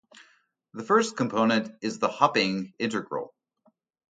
The first component is the hopping integral.